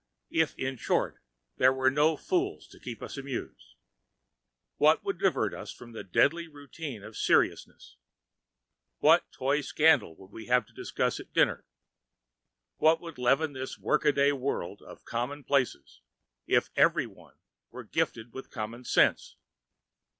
if, in short, there were no fools to keep us amused. What would divert us from the deadly routine of seriousness? What toy scandal would we have to discuss at dinner? What would leaven this workaday world of common places, if everyone were gifted with common sense?